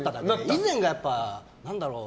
以前が、何だろう？